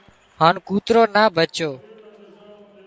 هانَ ڪوترو نا ڀچو